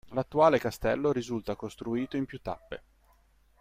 L'attuale castello risulta costruito in più tappe.